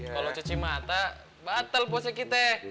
kalau cuci mata batal puasa kita